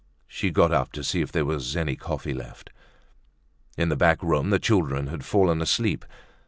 She got up to see if there was any coffee left. In the back room the children had fallen asleep.